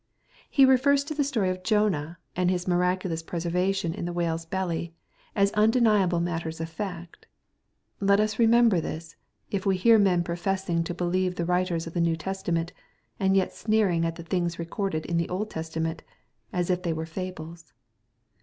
He refers to the story of Jonah, and his miraculous preservation in the whale's belly, as undeniable matters of fact. Let us remember this, if we hear men professing to believe the writers of the New Testament, and yet sneering at the things recorded in the Old Testament, as if they were fables.